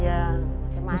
iya cuma akan